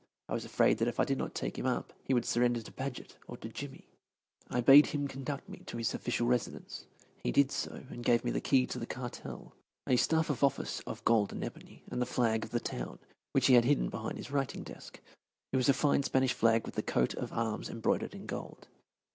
I was afraid that if I did not take him up he would surrender to Paget or to Jimmy. I bade him conduct me to his official residence. He did so, and gave me the key to the cartel, a staff of office of gold and ebony, and the flag of the town, which he had hidden behind his writing desk. It was a fine Spanish flag with the coat of arms embroidered in gold.